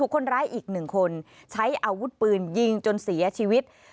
คนร้ายอีก๑คนใช้อาวุธปืนยิงจนเสียชีวิต